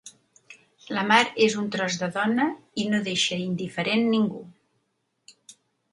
La Mar és un tros de dona i no deixa indiferent ningú.